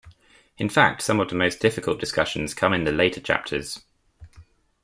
In fact some of the most difficult discussions come in the later chapters.